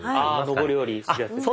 上り下りするやつですか。